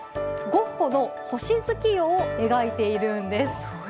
ゴッホの「星月夜」を描いているんです。